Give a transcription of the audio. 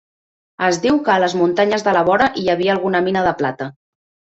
Es diu que a les muntanyes de la vora hi havia alguna mina de plata.